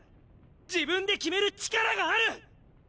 自分で決める力がある！